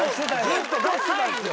ずっと出してたんですよ。